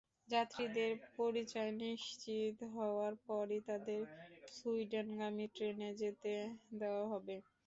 যাত্রীদের পরিচয় নিশ্চিত হওয়ার পরই তাঁদের সুইডেনগামী ট্রেনে যেতে দেওয়া হবে।